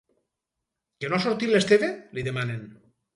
Que no ha sortit, l'Esteve? —li demanen.